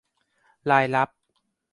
รายรับ